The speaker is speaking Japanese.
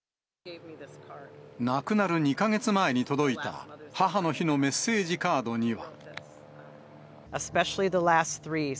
亡くなる２か月前に届いた母の日のメッセージカードには。